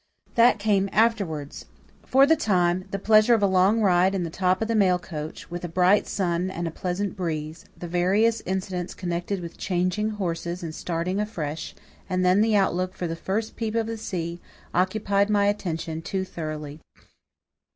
That came afterwards. For the time, the pleasure of a long ride on the top of the mail coach, with a bright sun and a pleasant breeze, the various incidents connected with changing horses and starting afresh, and then the outlook for the first peep of the sea, occupied my attention too thoroughly.